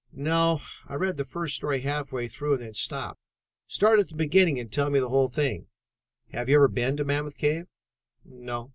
"No. I read the first story half way through and then stopped. Start at the beginning and tell me the whole thing." "Have you ever been to Mammoth Cave?" "No."